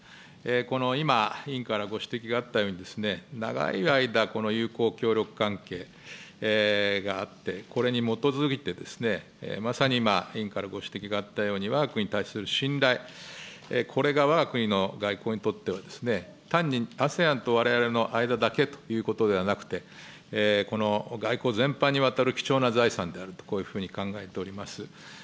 この今、委員からご指摘があったように、長い間、友好協力関係があって、これに基づいてまさに今、委員からご指摘があったように、わが国に対する信頼、これがわが国の外交にとってはですね、単にＡＳＥＡＮとわれわれの間だけということではなくて、外交全般にわたる貴重な財産であると、こういうふうに考えております。